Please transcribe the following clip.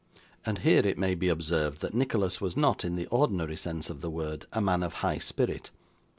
And here it may be observed, that Nicholas was not, in the ordinary sense of the word, a young man of high spirit.